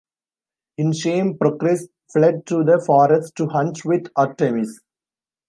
In shame Procris fled to the forest, to hunt with Artemis.